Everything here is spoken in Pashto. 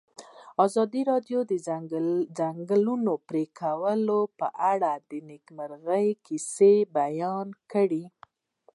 ازادي راډیو د د ځنګلونو پرېکول په اړه د نېکمرغۍ کیسې بیان کړې.